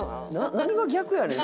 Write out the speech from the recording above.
何が逆やねん？